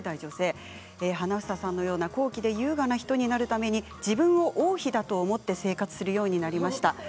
花總さんのような高貴で優雅な人になるために自分を王妃だと思って生活するようになりました。